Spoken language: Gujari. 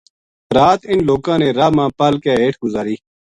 را ت اِنھ لوکاں نے راہ ما پَل کے ہیٹھ گُزاری